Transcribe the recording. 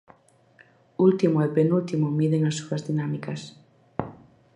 Último e penúltimo miden as súas dinámicas.